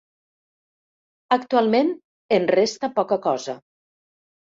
Actualment en resta poca cosa.